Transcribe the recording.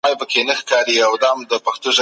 دوی وايي چي منابع کمي دي.